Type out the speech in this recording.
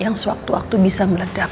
yang sewaktu waktu bisa meledak